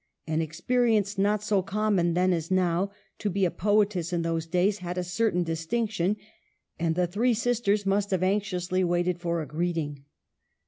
An experience not so common then as now ; to be a poetess in those days had a certain distinction, and the three sisters must have anxiously waited for a greeting.